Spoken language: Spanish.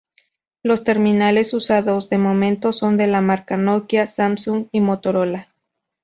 Los terminales usados, de momento, son de la marca Nokia, Samsung y Motorola.